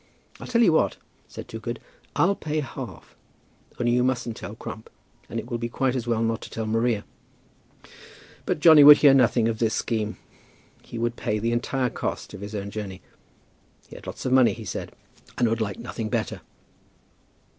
"I'll tell you what," said Toogood; "I'll pay half. Only you mustn't tell Crump. And it will be quite as well not to tell Maria." But Johnny would hear nothing of this scheme. He would pay the entire cost of his own journey. He had lots of money, he said, and would like nothing better.